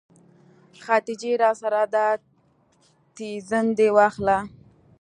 خديجې راسه دا تيزن دې واخله.